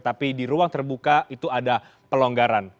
tapi di ruang terbuka itu ada pelonggaran